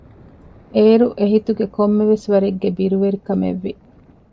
އޭރު އެހިތުގައި ކޮންމެވެސް ވަރެއްގެ ބިރުވެރިކަމެއްވި